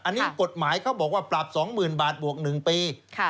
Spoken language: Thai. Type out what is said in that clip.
อันนี้กฎหมายเขาบอกว่าปรับ๒๐๐๐บาทบวก๑ปี